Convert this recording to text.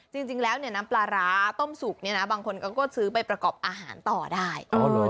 จริงแล้วน้ำปลาร้าต้มสุกเนี่ยนะบางคนก็ซื้อไปประกอบอาหารต่อได้